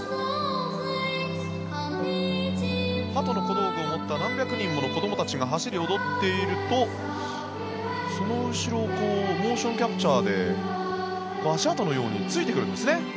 ハトの小道具を持った何百人もの子どもたちが走り、踊っているとその後ろをモーションキャプチャーで足跡のようについてくるんですね。